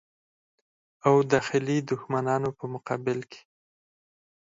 او داخلي دښمنانو په مقابل کې.